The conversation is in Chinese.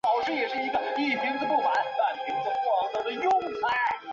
此外汽车驾驶将车辆开入隧道的事件也时有耳闻。